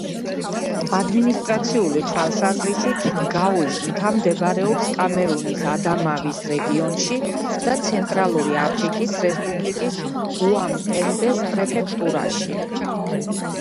ადმინისტრაციული თვალსაზრისით ნგაუის მთა მდებარეობს კამერუნის ადამავის რეგიონში და ცენტრალური აფრიკის რესპუბლიკის უამ-პენდეს პრეფექტურაში.